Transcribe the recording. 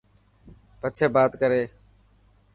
پڇي بات ڪري.